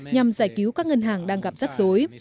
nhằm giải cứu các ngân hàng đang gặp rắc rối